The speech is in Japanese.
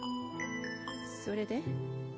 それで？